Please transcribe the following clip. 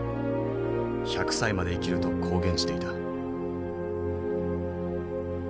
１００歳まで生きると公言していた。